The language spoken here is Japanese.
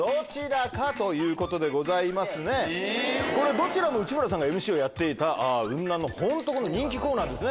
どちらも内村さんがＭＣをやっていた『ウンナンのホントコ！』の人気コーナーですね。